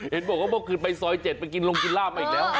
เห็นบอกว่าเมื่อคืนไปซอย๗ไปกินลงกินลาบมาอีกแล้ว